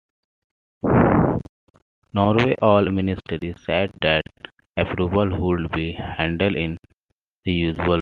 Norway's oil minister said that approval would be handled in the usual way.